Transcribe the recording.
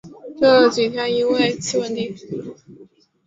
这几天因为气温低